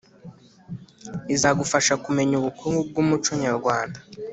izagufasha kumenya ubukungu bw’umuco nyarwanda